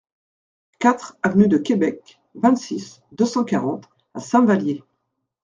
quatre avenue de Quebec, vingt-six, deux cent quarante à Saint-Vallier